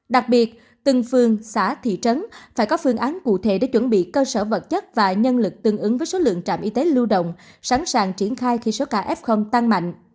đặc biệt từng phương xã thị trấn phải có phương án cụ thể để chuẩn bị cơ sở vật chất và nhân lực tương ứng với số lượng trạm y tế lưu động sẵn sàng triển khai khi số ca f tăng mạnh